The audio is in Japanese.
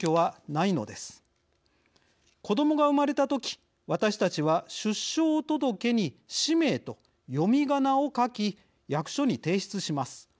子どもが生まれた時私たちは出生届に氏名と読みがなを書き役所に提出します。